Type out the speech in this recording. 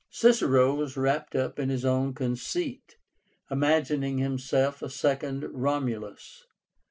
Cicero was wrapped up in his own conceit, imagining himself a second Romulus.